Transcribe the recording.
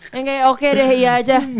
yang kayak oke deh iya aja